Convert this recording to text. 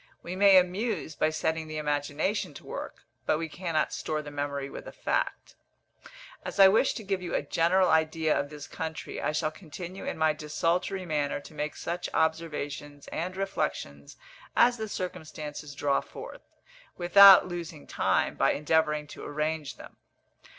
We may amuse by setting the imagination to work; but we cannot store the memory with a fact. As I wish to give you a general idea of this country, I shall continue in my desultory manner to make such observations and reflections as the circumstances draw forth, without losing time, by endeavouring to arrange them.